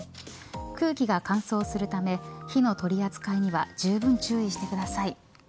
空気が乾燥するため火の取り扱いにはじゅうぶん注意してください。